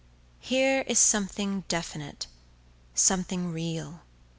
Here is something definite, something real.